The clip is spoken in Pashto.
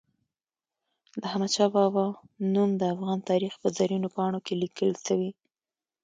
د احمد شاه بابا نوم د افغان تاریخ په زرینو پاڼو کې لیکل سوی.